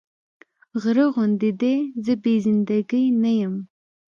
غره غوندې دې زه بې زنده ګي نه يم